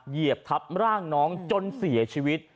เหยียบทับร่างน้องจนเสียชีวิต